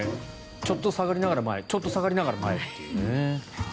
ちょっと下がりながら前ちょっと下がりながら前というね。